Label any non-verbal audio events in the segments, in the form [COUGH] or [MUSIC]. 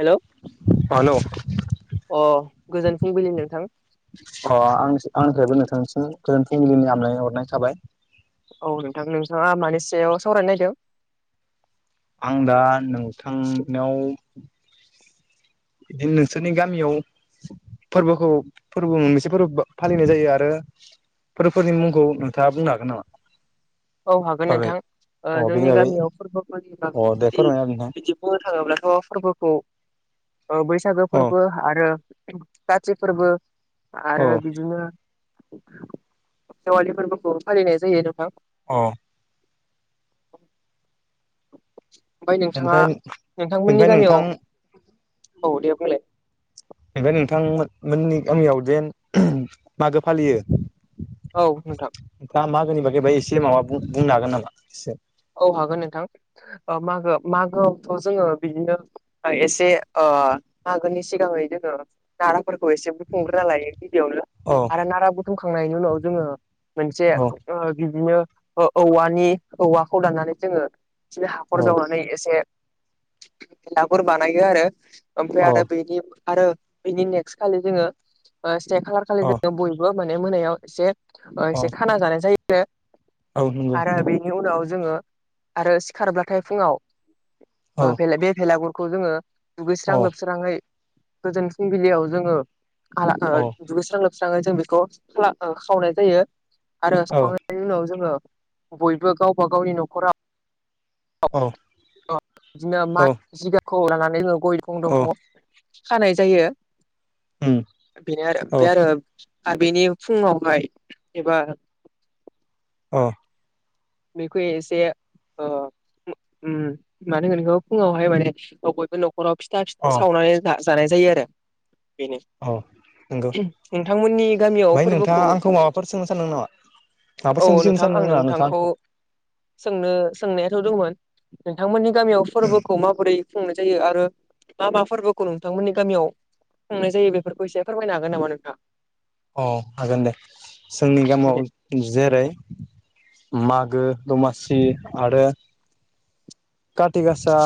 हेल' अ हेलौ अ गोजोन फुंबिलि नोंथां। अ आं आंनिफ्रायबो नोंथांनिसिम गोजोन फुंबिलिनि हामलायनाय हरनाय थाबाय। औ नोंथां नोंसाङा मानि सायाव सावरायनो नायदों। आं दा नोंथांनाव। बिदिनो नोंसोरनि गामियाव। फोरबोखौ फोरबो मोनसे फोरबो फालिनाय जायो आरो। फोरफोरनि मुंखौ नोंथाङा बुंनो हागोन नामा? औ हागोन बागै नोंथां। ओ अ बेनि जोंनि बागै गामियाव फोरबोफोरनि अ दे बागै फोरमायना बिदि बुंनो थाङोब्ला। अ फोरबोखौ बैसागो हो फोरबो आरो खाथि फोरबो। आरो नोंथां बिदिनो दिवालि फोरबोखौ फालिनाय जायो नोंथां। अ। [INAUDIBLE] ओमफ्राय अ नोंथाङा बेनिफ्राय नोंथांमोननि बेनिफ्राय गामियाव। नोंथां औ दे बुंलाय। थांमोन मो-मोननि गामियाव जेन मागो फालियो। औ नोंथां दा मागोनि बागैबाय एसे माबा बुंनो हागोन नामा एसे? औ हागोन नोंथां ओ मागो मागोआवथ' जोङो बिदिनो एसे ओ अ मागोनि सिगाङै जोङो नारा फोरखौ एसे बुथुमग्रोना लायो गिबियावनो अ आरो नारा बुथुमखांनायनि उनाव जोङो। मोनसे अ ओ बिदिनो ओ औवानि औवाखौ लानानै जोङो। बिदिनो हाखर अ जावनानै एसे लाफोर बानायो आरो। ओमफ्राय अ आरो बेनि आरो बेनि नेक्स्ट खालि जोङो ओ से खालार खालि अ जोङो बयबो। मोनो मोनायाव ओ अ एसेसे खाना जानाय जायो औ नंगौ आरो नोंथां बेनि उनाव। जोङो आरो सिखारब्लाथाय फुङाव औ ओ बे भेलागुरखौ जोङो। अ दुगैस्रां लोबस्राङै गोजोन फुंबिलियाव जोङो आला ओ अ दुगैस्रां लोब स्रां जों बेखौ खाला खावनाय जायो आरो औ सावखांनायनि उनाव जोङो। बयबो गावबा गावनि न'खराव। औ [UNINTELLIGIBLE] औ औ खानाय जायो उम औ बेनोआरो ओमफाय आरो आ बेनि फुङावहाय एबा अ बेखौ एसे ओ ओम मा होनगोन बेखौ फुङावहाय माने बयबो न' खराव फिथा अ सावनानै जानाय जायो आरो बेनो अ नंगौ नोंथांमोननि गामियाव ओमफ्राय नोंथाङा फोरबोखौ आंखौ माबाफोर सोंनो सानदों नामा माबाफोर औ सोंथि सोंनो नोंथां सानदों आं नामा नोंथाङा नोंथांखौ आंखौ सोंनो सोंनायाथ' दंमोन नोंथांमोननि गामियाव फोरबोखौ माबोरै खुंनाय जायो आरो मा मा फोरबोखौ नोंथांमोननि गामियाव खुंनाय जायो बेफोरखौ एसे फोरमायनो हागोन नामा नोंथां अ हागोन दे जोंनि गामियाव जेरै मागो दमासि आरो काति गासा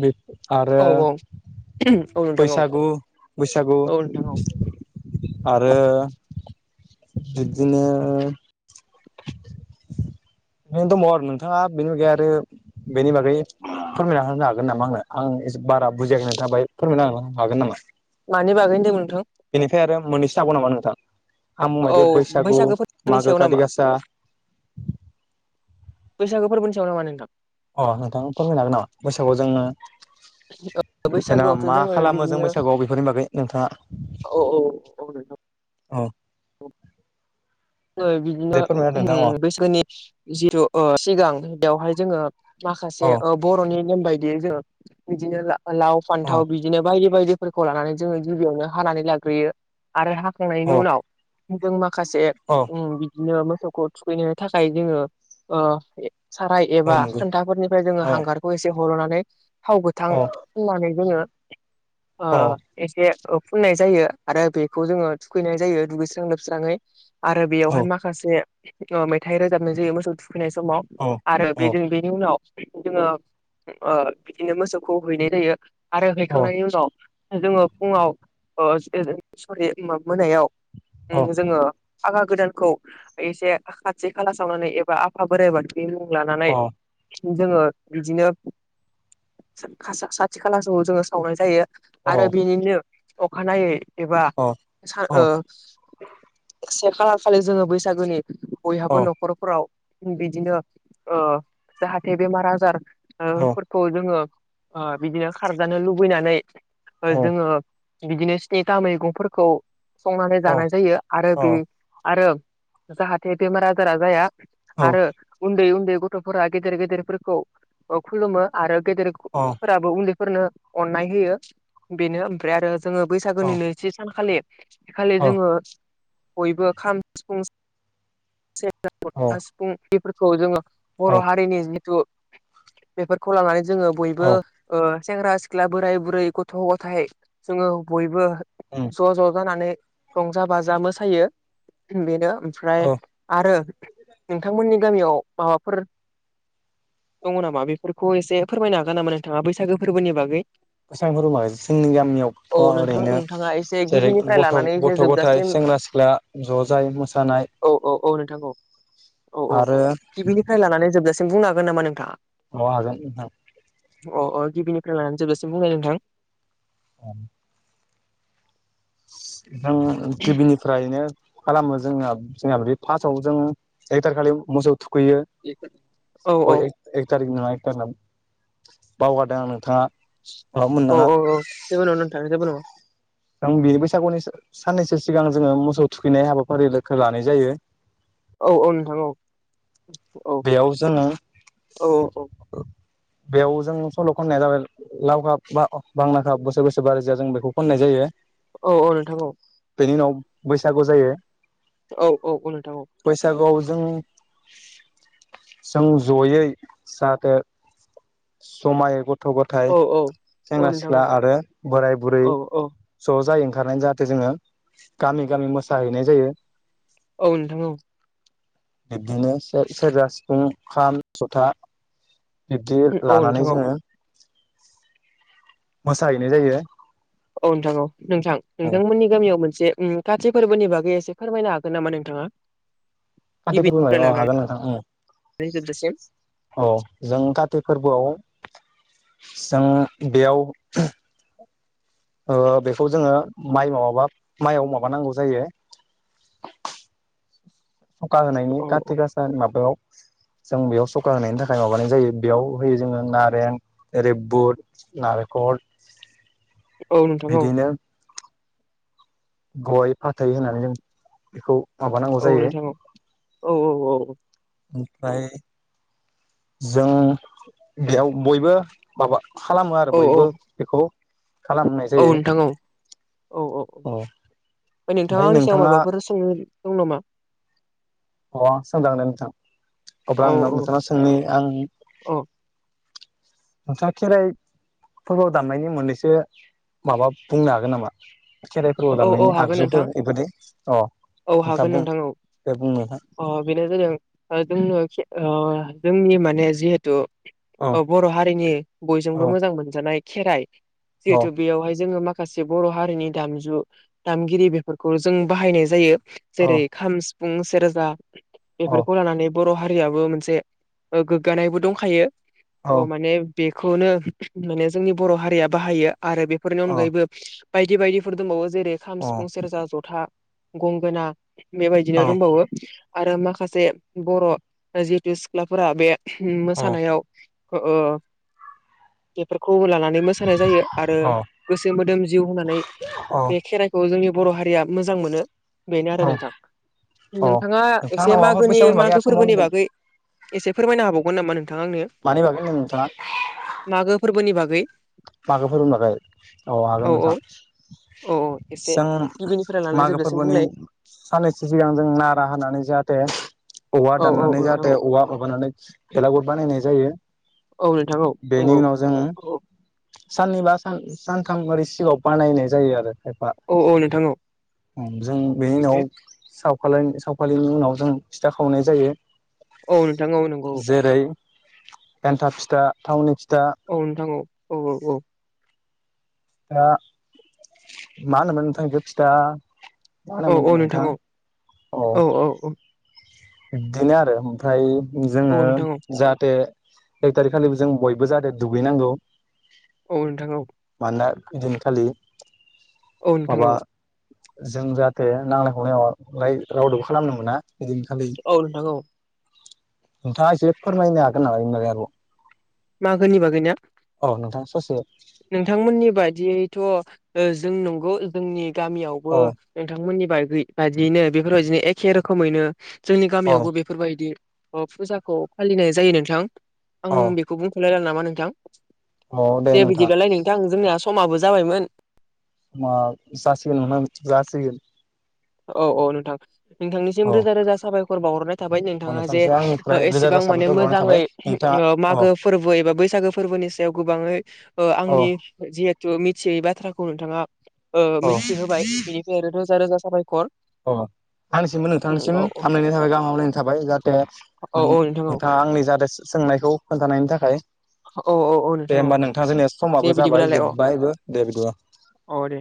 बे आरो औ औ नोंथां औ बैसागु बैसागु औ नोंथां औ आरो बिब्दिनो [INAUDIBLE] नो दङ आरो नोंथाङा बेनि बागै आरो बेनि बागै फोरमायना होनो हागोन नामा आंनो आं बारा बुजियाखै नोथां बाहाय फोरमायनो होनो हागोन नामा मानि बागै होनदोंमोन नोंथां बेनिफ्राय आरो मोननैसो हागौ नामा नोंथां आ औ बुंबायदि बैसागु बैसागो फोरबोनि मागो सायाव नामा खाथि गसा बैसागु फोरबो सायाव नामा नोंथां अ नोंथां फोरमायनो हागोन नामा बैसागुआव जोङो जेनेबा बैसागुआवथ' मा जोङो खालामो जों बैसागुआव बेफोरनि बागै नोंथाङा अ औ औ औ नोंथां औ दे बिदिनो फोरमायना होदो नोंथां अ ओम बैसोनि जिथु सिगां बेवहाय जोङो माखासे औ ओ ङबर'नि नेम बायदियै जोङो बिदिनो लाव अ फान्थाव बिदिनो बायदि बायदिफोरखौ लानानै जोङो गिबियावनो हानानै लाग्रोयो आरो अ हाखांनायनि उनाव जों माखासे अ ओम बिदिनो मोसौखौ थुखैनो थाखाय जोङो अ साराय अ एबा नंगौ खोनथाफोरनिफ्राय जोङो अ हांगारखौ एसे हल'नानै थाव गोथां अ फुननानै जोङो ओ अ औ एसे फुननाय जायो आरो बेखौ जोङो थुखैनाय जायो दुगैस्रां लोबस्राङै। आरो बेयावहाय माखासे अ मेथाइ रोजाबनाय जायो मोसौ थु खैनाय समाव औ आरो औ बे जों बेनि उनाव जोङो ओ बिदिनो मोसौखौ हैनाय जायो आरो औ हैखांनायनि उनाव जोङो फुङाव [UNINTELLIGIBLE] सरि मोनायाव अ ओम जोङो फागा गोदानखौ एसे खाथि खाला सावनानै एबा आफा बोराइ बाथौ नि मुं लानानै जोङो बिदिनो सा [UNINTELLIGIBLE] खाला समाव जोङो सावनाय जायो। अ आरो बिनिनो अखानायै एबा सान अ ओ अ से खालार खालि जोङो बैसागुनि अ बयहाबो अ न'खरफोराव बिदिनो ओ जाहाथे बेमार औ अ आजारफोरखौ जोङो ओ बिदिनो खारजानो लुबैनानै जोङो बिदिनो स्निथा मैगंफोरखौ संनानै जानाय जायो आरो बे आरो जाहाथे बेमार आजारा जाया आरो उन्दै उन दै गथ'फोरा गेदेर गेदेरफोरखौ खुलुमो आरो गेदेर फोराबो उन फोरनो अननाय होयो बेनो ओमफ्राय आरो जोङो अ बैसागुनि नैथि सानखालि खालि जोङो बयबो खाम सिफुं सेरजा जथा सिफुं बेफोरखौ जोङो बर' अ हारिनि [UNINTELLIGIBLE] थु बेफोरखौ लानानै जोङो अ बयबो ओ सेंग्रा सिख्ला बोराय बुरै गथ' गथाय जोङो बयबो उम ज' ज' जानानै रंजा बाजा मोसायो बेनो ओमफ्राय अ आरो नोंथांमोननि गामियाव माबाफोर दङ नामा बेफोरखौ एसे फोरमायनो हागोन नामा नोंथाङा बैसागु फोरबोनि बागै? [UNINTELLIGIBLE] जोंनि गामियावथ' औ नोंथां ओरैनो नोंथाङा एसे जेरै गिबिनिफ्राय गथ' लानानै एसे गथ' गथाइ जोबजासिम सें ग्रा सिख्ला ज' जाय मोसानाय औ औ औ नोंथां औ औ औ आरो गिबिनिफ्राय लानानै जोबजासिम बुंनो हागोन नामा नोंथाङा? अ हागोन नोंथां अ अ गिबिनिफ्राय लानानै जोबजासिम बुंनाय नोंथां औ आं गिबिनिफ्रायनो खालामो जोंना जोंना बे फास्टआव जों एकथार खालि मोसौ थुखैयो। औ औ अ एक एक थारिख नङा एक थारिख नङा बावगारदों आं नोंथाङा माबा औ मोननाङा औ औ जेबो नङा नोंथां जेबो नङा जों बिनि बैसागुनि साननैसो सिगां जोङो मोसौ थुखैनाय हाबाफारिखो लानाय जायो। औ औ नोंथां औ औ बेयाव जोङो औ औ बेयाव जों सल' खननाया जाबाय लाव खा बा बांना खा बोसोर बोसोर बारि जा जों बेखौ खन्नाय जायो। औ औ नोंथां औ बेनि उनाव बैसागु जायो। औ औ नोंथां औ बैसागुआव जों जों ज'यै जाहाथे जमायै ग थ' गथाय औ औ औ औ सेंग्रा नोंथां सिख्ला आरो बोराय बुरै औ औ ज' जायो [UNINTELLIGIBLE] जाहाथे जोङो गामि गामि मोसाहैनाय जायो। औ नोंथां औ बिब्दिनो सेरजा सिफुं खाम जथा बिब्दि औ लानानै नोंथां औ जोङो मोसाहैनाय जायो। औ नोंथां औ नोंथां औ नोंथांमोननि गामियाव मोनसे काति फोरबोनि बागै एसे फोरमायनो हागोन नामा नोंथाङा? कातिफोरबो गिबिनिफ्राय अ हागोन लानानै नोंथां। जोबजासिम औ जों काति फोरबोआव जों बेयाव ओ बेखौ जोङो माइ माबाबा माइयाव माबानांगौ जायो। [INAUDIBLE] [UNINTELLIGIBLE] होनायनि औ काति औ गासा माबायाव जों बेयाव सखा होनायनि थाखाय माबानाय जायो। बेयाव होयो जोङो नारें ओरै बुद, नारेंखल [INAUDIBLE] औ नोंथां औ। बिदिनो गय- फाथै होननानै जों बेखौ माबानांगौ औ जायो। नोंथां औ औ औ औ। ओमफ्राय जों बेयाव बयबो माबा खालामो आरो औ बयबो औ बेखौ खालामनाय औ जायो नोंथां औ औ औ औ। ओमफ्राय नोंथाङा आंनि सिगां माबाफोर सोंनो दं नामा? अ सोंदां दे नोंथां औ अब्ला आंनाव नोंथांनाव सोंनि आं औ नोंथाङा खेराइ फोरबोआव दामनायनि मोननैसो माबा बुंनो हागोन नामा? खेराइ फोरबोआव औ औ दामनायनि हागोन नोंथां आगजुफोर इफोरदि अ औ नोंथाङा हागोन बुं नोंथां औ। दे बुं नोंथां अ बेनो जादों ओ जोंनो [UNINTELLIGIBLE] ओ जोंनि माने जिहेथु अ बर' हारिनि अ बयजोंबो मोजां मोनजानाय खेराइ अ जिहेथु बेयावहाय जोङो माखासे बर' हारिनि दामजु दामगिरि बेफोरखौ जों बाहायनाय जायो अ जेरै- खाम, सिफुं, सेरजा अ बेफोरखौ लानानै बर' हारियाबो मोनसे ओ गोग्गानायबो दंखायो। अ त' माने बेखौनो माने जोंनि बर' हारिया बाहायो। आरो बेफोरनि अनगायैबो बायदि -बायदिफोर दोंबावो जेरै खाम, अ सिफुं, सेरजा, ज'था गंगोना बेबायदिनो दंबावो। आरो माखासे बर ओ जिहेतु सिख्लाफोरा बे मोसानायाव ओ [UNINTELLIGIBLE] [UNINTELLIGIBLE] लानानै मोसानाय जायो। आरो गोसो मोदोम जिउ होननानै बे खेराइखौ जोंनि बर' हारिया मोजां मोनो। बेनो आरो नोंथां नोंथाङा एसे नोंथांनाव माबाफोर मागोनि बैसागुनि बागै मागो आरो सोंबावनो फोरबोनि होनदों बागै एसे फोरमायनो हाबावगोन नामा नोंथाङा आंनो मानि बागै होनदों नोंथाङा मागो फोरबोनि बागै मागो फोरबोनि बागै औ हागोन नोंथां। अ अ जों मागो फोरबोनि बुंलाय साननैसो सिगां जों नारा होनानै जाहाते [UNINTELLIGIBLE] औवा औ औ दाननानै औ नोंथां जाहाते औ औवा माबानानै भेलागुर बानायनाय जायो। औ नोंथां औ बेनि नंगौ उनाव जों साननैबा सान -सानथाम ओरै सिगाङाव बानायनाय जायो आरो। खायफा औ औ नोंथां औ जों बेनि उनाव ओमफ्राय [UNINTELLIGIBLE] [UNINTELLIGIBLE] सावखालिनि उनाव जों फिथा खावनाय जायो। औ नोंथां औ नंगौ। जेरै एन्थाब फिथा, थावनि [UNINTELLIGIBLE] औ नोंथां औ औ औ औ। आ मा होनोमोन नोंथां [UNINTELLIGIBLE] फिथा मा औ होनोमोन औ नोंथां औ अ औ औ औ इददिनो आरो ओमफ्राय जोङो औ नोंथां औ जाहाते एक तारिक खालिबो जों बयबो जाहाथे दुगैनांगौ। औ नोंथां औ। ना इदिन खालि औ नोंथां औ। जों जाहाते नांलाय खमलाय माबालाय रावदोबो खालामनो मोना बिदिनखालि औ नोंथां औ। नोंथाङा एसे फोरमायनो हागोन नामा इनि बागै आरोबाव मागोनि बागैना औ नोंथां ससे नोंथांमोननि बादियैथ' ओ जों नंगौ जोंनि गामियावबो औ नोंथांमोननि बागै बायदियैनो बेफोरबायदिनो एखे रोखोमैनो जोंनि औ गामियावबो बेफोरबायदि अ फुजाखौ फालिनाय जायो नोंथां आं औ बेखौ बुंथ'लायला नामा नोंथां। औ दे नोंथां बिदिब्लालाय नोंथां जोंनिया समाबो जाबायमोन। मा जासिगोन नोंथां जासिगोन। औ औ नोंथां। नोंथांनिसिम औ रोजा रोजा साबायखर बावहरनाय थाबाय औ नोंथाङा जे नोंथांनिसिम ओ आंनिफ्राय रोजा एसेबां रोजा माने साबायखर बावनाय मोजाङै थाबाय नोंथाङा ओ अ मागो फोरबो एबा बैसागो फोरबोनि सायाव गोबाङै ओ औ आंनि जिहे तु मिथियै बाथ्राखौ नोंथाङा ओ औ मिथिहोबाय बेनिफ्राय आरो रोजा रोजा साबायखर अ आंनिसिमबो औ नोंथांनिसिम औ हामलायनाय थाबाय गाहाम हामलायनाय थाबाय जाहाते औ नों औ नोंथां औ नोंथाङा आंनि जाहाते सोंनायखौ खोन्थानायनि थाखाय औ औ औ दे नोंथां औ। होमबा जोंनिया दे समाबो जाबाय बिदिब्लालाय अ जोब्बायबो दे बिदिब्ला। औ दे